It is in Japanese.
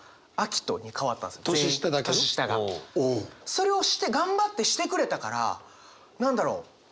それをして頑張ってしてくれたから何だろう？